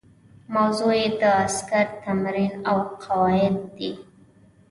موضوع یې د عسکرو تمرین او قواعد دي.